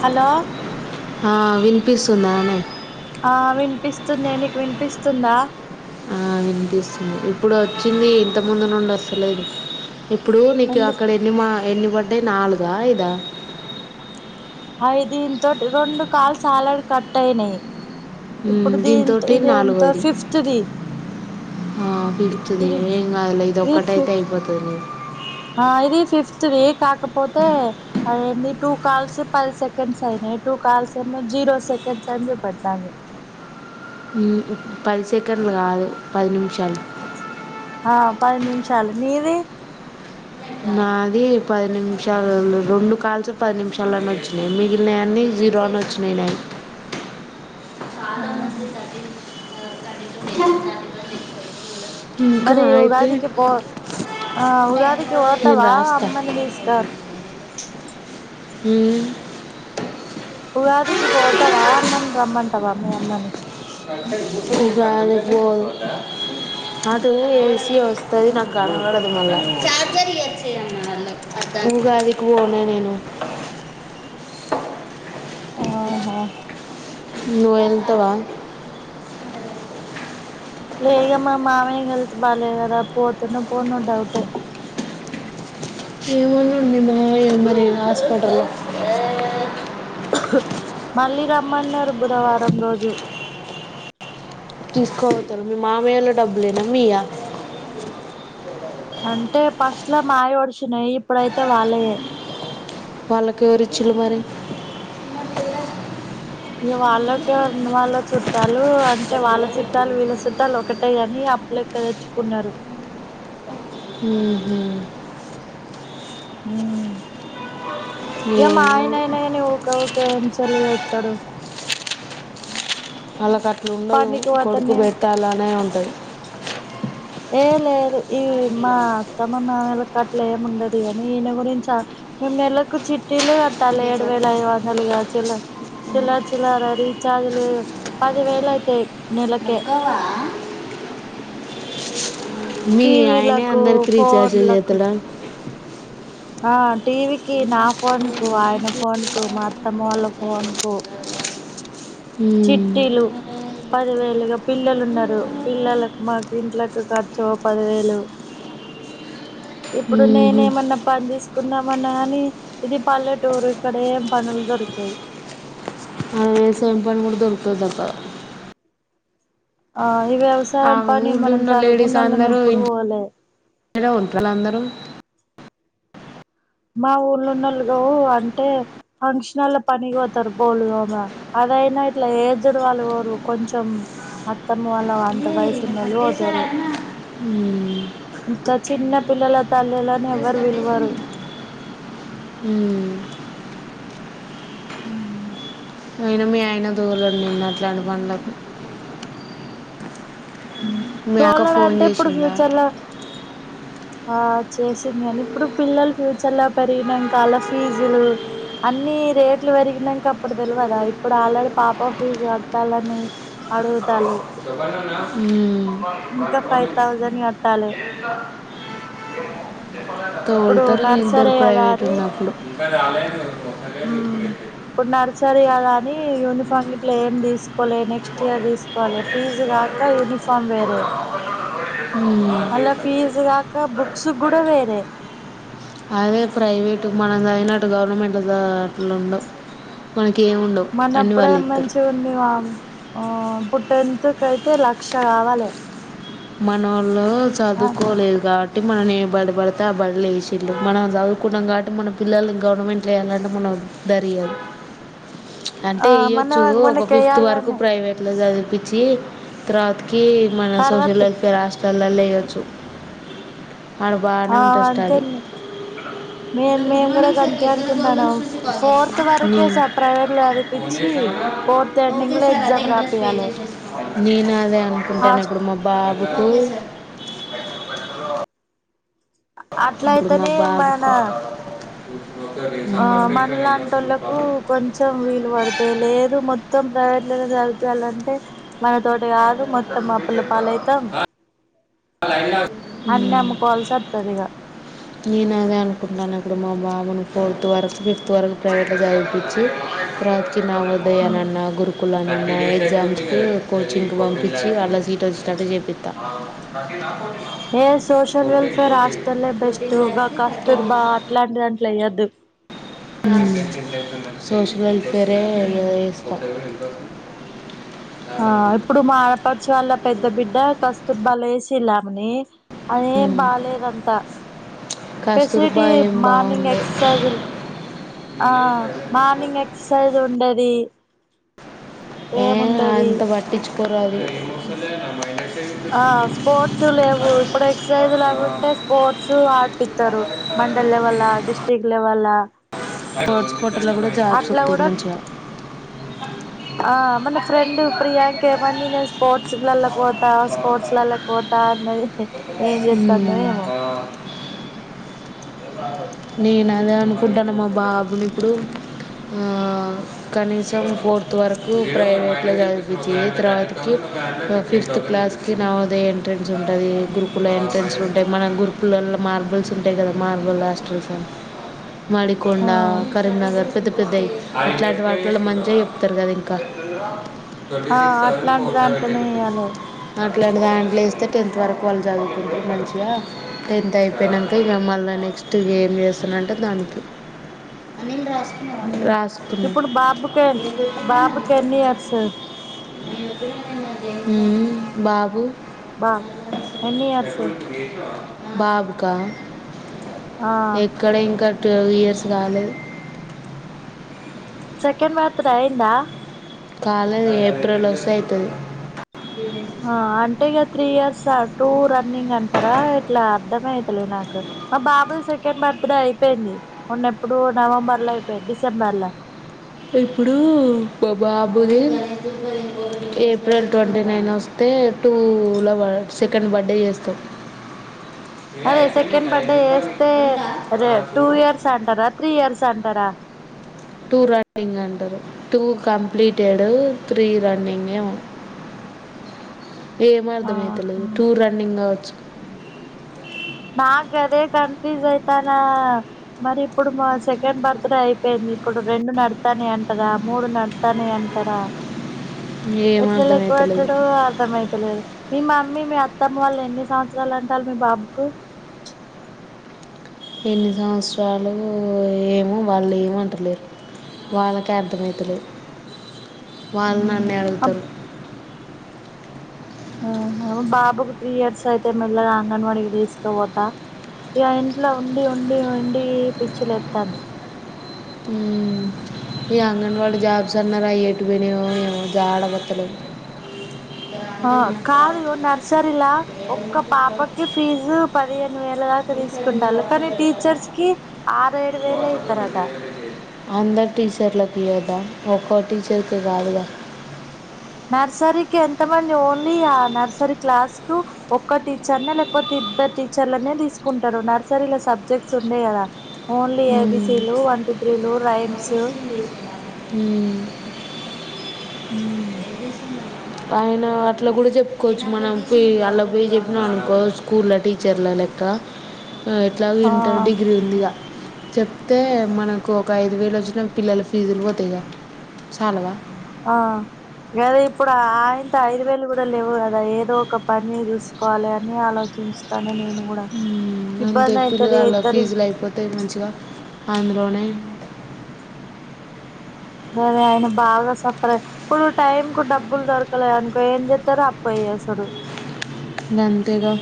Hello ఆ విన్పిస్తుందానె ఆ విన్పిస్తుందే నీక్ విన్పిస్తుందా ఆ విన్పిస్తుంది ఇప్పుడు ఒచ్చింది ఇంతముందు నుండి ఒస్తలేదు ఇప్పుడూ నీకు ఎందుకు అక్కడ ఎన్నిమా ఎన్ని పడ్డయ్ నాలుగా ఐదా అవి దీంతోటి రొండు కాల్స్ ఆల్రెడి కట్ ఐనయ్ మ్మ్ ఇప్పుడు దీంతొ దీంతోటి ఇది ఎంత నాలుగోది ఫిఫ్త్ దీ ఆ ఫిఫ్త్ ది ఏం కాద్లె ఇదొక్కటైతే ఫిఫ్ అయిపోతది ఆ ఇది ఫిఫ్త్ది కాకపోతే అదేంది టూ కాల్స్ పది సెకండ్స్ ఐనయ్ టు కాల్స్ ఏమో జీరొ సెకండ్స్ అని చూపెడ్తాంది ఊ ఉ పది సెకన్లు గాదు పది నిమిషాలు ఆ పది నిమిషాలు నీది నాది పది నిమ్షాలు రొండు కాల్స్ పద్ నిమ్షాలని ఒచ్చినయ్ మిగిల్నయ్ అన్ని జీరో అని ఒచ్చినయ్ నాయ్ చాల ఆహా మంది దద్దిలు [unintelligible] మరి ఉగాదికి పొ ఆ ఉగాదికి నేను వోతవా రాస్తా అమ్మనిధీస్కొత్ హ్మ్ ఉగాదికి పోతవా అమ్మన్ రమ్మంటవా మీ అమ్మని జాని పో అది ఏసి టది నాగనవడది మళ్ళ చార్జర్ ఇయ్యి వచ్చి ఇంకేడికి వొనే నేను మ్ హ్మ్ నువెళ్తవా లేయమ్మా మామయ్య హెల్త్ బాలే గదా పోతనో పోనో డౌటే ఏమన్నడు మీ మామయ్యను మరి హాస్పిటల్లా మళ్ళీ రమ్మన్నారు బుధవారం రోజు తీసుకవోతరు మీ మామయ్యోలా డబ్బులేనా మీయా అంటే పస్ట్లా మాయి ఒడిసినాయి ఇప్పుడైతే వాళ్ళయే వాళ్ళకెవరిచ్చుల్లు మరీ ఇగా వాళ్ళకెవర్ వాళ్ళ చుట్టాలు అంటే వాళ్ళ చుట్టాలు వీళ్ళ సుట్టాలు ఒకటే గాని అప్పులెక్క దెచ్చుకున్నారు ఉహుహు మ్ ఇగా ఏమో మాయనాయనా గాని ఊకెక్ పేంచర్లు జెత్తడు వాళ్ళకట్ల ఉండదు పనికి కొడుక్కు పోతనే బెట్టాలనే ఉంటది ఏ లేదు ఈ మా అత్తమ్మ మామయలకు అట్లేమి ఉండది గాని ఈయన గురించే మేం నెలకు చిట్టిలే కట్టాలి ఏడువేలఐదు వందలుగా చేలా చిల్లర్ చిల్లర రీఛార్జలే పదివేలైతాయ్ నెలకే ముక్కవా మీ ఆయనే టీవీలకు అందరికి రీఛార్జ్లు ఫోన్లకు జేత్తడా ఆ టీవీకి నా ఫోనుకు ఆయన ఫోనుకు మా అత్తమ్మ వాళ్ళ ఫోన్ కు హుమ్ పదివేలిగా పిల్లలున్నరు పిల్లలకు మాకు ఇంట్లకు ఖర్చు ఓ పదివేలు ఇప్పుడు మ్మ్హ్మ్. నేనేమన్న పంజేసుకున్నా మన్న గాని ఇది పల్లెటూరు ఇక్కడేం పనులుదొరుకయ్ ఆ ఎవుసాయం పని గూడా దొరకుతదో దొరకదో ఆ ఈ వ్యవసాయం పని ఊళ్ళో మనం ఉన్న లేడీస్ చదువుకున్నోళ్ళం అందరూ ఎప్పుడు ఓలే ఇంట్లోనే ఉంటారు అందరూ మా ఊళ్ళున్నోళ్లు గో అంటే ఫంక్షనల్ల పనికివోతారు బోల్లుదోమ ఎరైనా ఇట్లా ఏజ్డ్ వాళ్ళు ఓరు కొంచెం అత్తమ్మ వాళ్ళ వంత వయసున్నోళ్ళు ఓతారు ఉమ్మ్ ఇంత చిన్న పిల్లల తల్లులని డ్రెస్ ఎవరు కట్టేసి పిలవరు ఉమ్. మ్మ్ అయినా మీ ఆయన దూలోడు లే నిన్ను అట్లా వెళ్ళమనడు దూలోడంటే ఇపుడు ఫ్యూచర్లా ఆ చేసిందిగని ఇప్పుడు పిల్లలు ఫ్యూచర్ లో పెరిగినంక ఆళ్ల ఫీజులు అన్నీ రేట్లు వెరిగినంక అప్పుడు తెలువదా ఇప్పుడు ఆల్రెడీ పాప ఫీజు కట్టాలని అడుగుతాళ్లు మ్మ్ [inaudible] ఫైవ్ థౌజండ్ కట్టాలే ఇప్పుడు తొల్తారు ఇద్దరు నర్సరీ కదా ప్రైవేట్ గా అని ఉన్నప్పుడు మ్మ్ ఇప్పుడు నర్సరీ గదాని యూనిఫామ్ గిట్ల ఏం తీసుకోలే నెక్స్ట్ చియా దీసుకోవాలి ఫీజు గాక యూనిఫామ్ వేరే ఉమ్. చేస్తా మళ్ళ చేస్తా ఫీజు గాక బుక్స్ గూడా వేరే అదే ప్రైవేట్ మనం చదివినట్టు గవర్నమెంట్ అట్లావుండవ్ మనకి ఏమి ఉండవు అన్నీ మనప్పుడే వాళ్ళు ఇస్తారు మంచిగుంది మామ్ ఆ ఇపుడ్ టెన్త్ కయితే లక్ష గావలే మనోళ్లు చదువుకోలేదు గాట్ టీ మనేబడి బడితే ఆ బల్లెసిళ్ళు మనం చదువుకున్నం గాబట్టి మన పిల్లల్ని గవర్నమెంట్లా ఏయాలంటే మనక్ దరియద్ అంటే మన ఎయ్యొచ్చు ఒక ఫిఫ్త్ వరకు మనకేయాలని ప్రైవేట్ లో చదువు పిచ్చి తర్వాత కీ మన తర్వాత సోషల్ వెల్ఫేర్ హాస్టల్ల్లో ఎయచ్చు ఆడ బానే ఆ ఉంటది స్టడీ అంతేండి మే హలో గుడ్ మేము కూడా మార్నింగ్ సార్ అంతే అనుకుంటాను కాల్ ఫోర్త్ వరకే చేస్తున్నాం సార్ ప్రైవేట్ లో చదిపించి ఫోర్త్ ఒకే ఎండింగ్ లో సార్ అదే ఎగ్జామ్ ఇంట్రెస్ట్ పే రాపియాలి చెస్సెస్ నేను అదే అనుకుంటన్న హాస్ బాగుతూ అట్ల అయితేనే మన బాబుకు ఓకే ఓకే ఆ సంపర్క్ పైన ఎంత మన్లాంటి వస్తుంది ఒళ్లకు ప్రాబ్లం కొంచెం వీలు పడతాయి లేదు మొత్తం ప్రైవేట్ చదిపియాలంటే మన తోటి కాదు మొత్తం అప్పుల పాలయితాం లైన్లో అన్ని అమ్ముకోవాల్సి అస్తది ఇగ నేను అదే అనుకుంటున్నాను ఇప్పుడు మా బబును ఫోర్త్ వరకు ఫిఫ్త్ వరకు ప్రైవేట్ లో చదివిపిచ్చి ప్రవచీ నా మ్మ్ ఉదయానన్నా గురుకుల్ ఎగ్జామ్స్కి కోచింగ్కీ పంపించి అళ్ళ సీట్ ఓచేటట్టు చేపిత్త ఏ సోషల్ వెల్ఫేర్ హస్టల్ ఎ బెస్ట్ ఫోర్టీన్ గా ల్యాక్స్కి థర్టీ కస్తూర్ బా చేసేస్తాను అట్లాంటి లెయ్యద్దు సోషల్ వెల్ఫేరే ఇగ ఎస్తా ఆ ఇప్పుడు మా ఆడపడుచు వాళ్ళ పెద్ద బిడ్డ కస్తూర్ బల ఎసిలామని అదేం బాలేేదంతా కస్తూర్బా ఫెసిలిటీ ఏం మార్నింగ్ బాగుండే ఎక్సర్సైజ్ ఆ మార్నింగ్ ఎక్ససైజ్ ఉండేది ఏ అంత పట్టించుకోరూ అళ్లు ఆ స్పోర్ట్స్ లేవు ఇప్పుడు ఎక్సర్సైజ్ అవ్ ఉంటే స్పోర్ట్స్ ఆడిపిస్తారు మండల్ లెవల్ లా డిస్ట్రిక్ట్ లవల్ లా స్పోర్ట్స్కోట లో కూడా జాబ్ స్ ఒత్తయ్ కూడా మంచిగా ఆ మన ఫ్రెండ్ ప్రియాంక ఏమంది నేను స్పోర్ట్స్లల్లో పోతా స్పోర్ట్స్లలో పోతా అన్నది ఏం చేత్తన్నో ఏమో నేన అదే అనుకుంటాను మా బాబుని ఇప్పుడు ఆ కనీసం ఫోర్త్ వరకు ప్రైవేట్లో చదివిపిచ్చి తర్వాతకి ఫి-ఫిఫ్త్ క్లాస్ కి నవోదయ ఎంట్రెన్స్ ఉంటది గురుకుల ఎంట్రెన్స్ ఉంటాయి మన గురుకుల మార్బల్స్ ఉంటాయి కదా మార్బల్ హాస్టల్సు ఆ మాడికొండ కరీంనగర్ పెద్ద పెద్దయి ఇట్లాంటి వాట్లలో మంచిగా చెప్తారు కదా ఇంకా థర్టీ ఆ సిక్స్ సెవెన్ అట్లాంటి ఫోర్సెవేంటీ దాంట్లోనే రూపీస్ ఎయ్యాలే ఇట్లాంటి దాంట్లో వేస్తే టెన్త్ వరకు వాళ్ళు చదువుకుంటారు మంచిగా టెన్త్ అయిపోయినాంక ఇగ మల్ మళ్ళా నెక్స్ట్ ఏం చేస్తానంటే దానికి అనిల్ మ్మ్ రాసుకున్న ఇప్పుడు బాబుకే బాబుకి ఎన్ని ఇయర్స్ ఉమ్ బాబు బాబ్ ఎన్ని ఇయర్స్ పెద్దొడికి చేసినవా బాబుకా ఆ ఎక్కడ ఇంకా ట్వల్వ్ ఇయర్స్ కాలేదు సెకండ్ బర్త్త్ర డే అయిందా కాలేదు ఏప్రిల్ ఓస్తే అయితది ఆ అంటే ఇగా త్రీ ఇయర్స్ టూ రన్నింగ్ అంటారా ఎట్లా అర్ధమయితలే నాకు మా బాబుది సెకండ్ బర్త్డే అయిపోయింది మొన్నెప్పుడు నవంబర్ లో అయిపోయింది డిసెంబర్ లా ఇప్పుడు మా బాబుది ఏప్రిల్ ట్వంటీ నైన్ ఓస్తే ఏ టూలో సెకండ్ బర్త్డే చేస్తావ్ అదే సెకెండ్ బర్త్డే ఎస్తే రెండా టూ చూడు ఇయర్స్ అంటార త్రీ ఇయర్స్ అం కదా టూ రన్నింగ్ అంటరు టూ కంప్లీటెడ్ త్రీ రన్నింగ్ ఎమో ఏం ఆహా అర్థమైతలేదు టూ రన్నింగ్ కావచ్చు నాకు అదే కన్ఫ్యూజ్ అయితాన్నా మరి ఇప్పుడు మా సెకండ్ బర్త్ డే అయిపోయింది ఇప్పుడు రెండు నడుత్తాన్నయ్ అంటరా మూడు నడుత్తాన్నయ్ అంటరా ఏం ఎట్ల అర్థమవుతలేదు లెక్కవెట్టుడో అర్థమైతలేదు నిన్న మ్మీ మీ అత్తమ్మ వాళ్ళు ఎన్ని సంవత్సరాలంటాళ్ళు మీ బాబుకు ఎన్ని సంవత్సరాలో ఏమో వాళ్ళు ఏమంటలేరు వాళ్ళకే అర్థమైతలేదు వాల్ మ్ నన్నే అడుగుతరు ఉహు బాబుకు త్రీ ఇయర్స్ అయితే మెల్లగా అంగన్వాడికి తీస్కవోత ఇగ ఇంట్ల ఉండి ఉండి ఉండీ పిచ్చిలేత్తాంది మ్ ఈ అంగన్వాడి జాబ్స్ అన్నర్ అయ్యేటువోనయో ఏమో జాడపత్త లేదు ఆ కాదు ఇగొ నర్సరీలా ఒక్క పాపకి ఫీజు పదిహేను వేల్ వేల దాక తీస్కుంటాల్లు కానీ అందులో టీచర్స్ కి ఆరు ఏడు వేలే వాట్సాప్లో ఇత్తరట మెసేజ్ అయితే చేయి అందరు టీచర్లలకు ఇయ్యోద్దా ఒక్కో టీచర్కే కాదుగా నర్సరీకి ఎంత మంది ఓన్లీ ఆ నర్సరీ క్లాస్ కు ఒక్క టీచర్నే లేకపోతే ఇ ఇద్దరు టీచర్లనే తీసుకుంటరు నర్సరీలో సబ్జెక్ట్స్ ఉండయ్ కదా ఓన్లీ ఏబిసీ లు వన్ టు త్రీ లు రైమ్స్ ఉమ్ మ్ అయన అట్ల కూడా చెప్పుకోచ్చు మనం ఫి అల్లపోయి చెప్నవంకో స్కూళ్ల టీచర్ల లెక్క అ ఎట్లాగో ఇంటర్ ఆ డిగ్రీ ఉందిగా చెప్తే మనకు ఒక ఐదు వేలు వచ్చిన పిల్లల ఫీజులు పోతయ్ గ చాలవా ఆ గదే ఇప్పుడు ఆయింత ఐదు వేలు కూడా లేవు కదా ఏదో ఒక పని చూసుకోవాలె అని ఆలో తీస్తాను నేను కూడా హుమ్ అంతే ఇబ్బంది అయితది పిల్లగాళ్ళ ఇద్దరి ఫీజులు అయిపోతయ్ మంచిగా అందులోనే గదే ఆయన బాగా సఫర్ అయి ఇప్పుడు టైం కు డబ్బులు దొరకలే అనుకో ఏంజెత్తరు అప్పే ఏసడు గంతేగా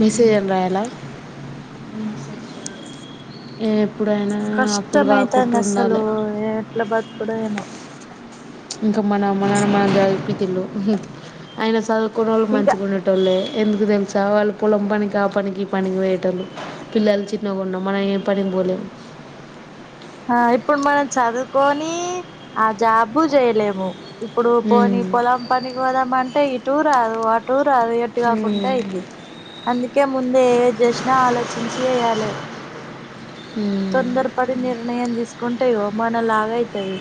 మెసేయల్ రాయలా ఉహ్ సరే అప్పులు కాకుండా కష్టమైతాంది అస్సలు ఉండాలి ఎట్ల బతుకుడో ఏమో ఇంక మన అమ్మ నాన్న మనన్ సదుపిచ్చిండు ఉహ్ ఐన సదువ్ కుర్రోళ్ళు ఇంకా మంచిగ ఉండెటోళ్ళే ఎందుకు తెలుసా వాళ్ళు పొలం పనికి ఆ పనికి ఈ పనికి పోయేటోల్లు పిల్లలు చిన్నగున్నం మనం ఏ పని పోలేం ఆ ఇప్పుడు మనం చదువుకోనీ ఆ జాబు చేయలేము ఇప్పుడు పోనీ పొలం పనికినికి పోదామంటే ఇటూ రాదు అటూ రాదు అది ఎటుకాకుంట అయ్యింది అందుకే ముందే ఏద్ చేసిన ఆలోచించి చెయాలె తొందరపడి నిర్ణయం తీసుకుంటె ఇగొ మన లాగ ఐతది.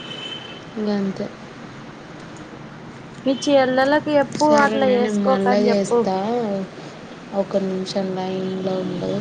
ఇగ అంతే. మీ చెల్లెలకి ఎప్పుడు అట్ల సరేనా నేను మళ్ళీ చేసుకోకని చెప్పు. చేస్తా ఒక నిమిషం లైన్ లో ఉండు.